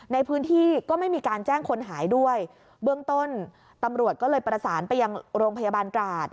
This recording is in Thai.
ในพื้นที่ก็ไม่มีการแจ้งคนหายด้วยเบื้องต้นตำรวจก็เลยประสานไปยังโรงพยาบาลตราด